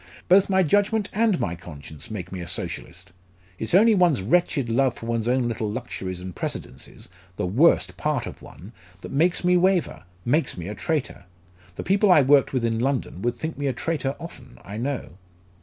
"Both my judgment and my conscience make me a Socialist. It's only one's wretched love for one's own little luxuries and precedences the worst part of one that makes me waver, makes me a traitor! The people I worked with in London would think me a traitor often, I know."